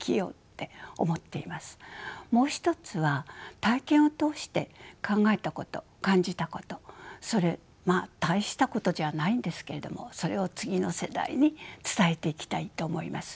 もう一つは体験を通して考えたこと感じたことそれまあ大したことじゃないんですけれどもそれを次の世代に伝えていきたいと思います。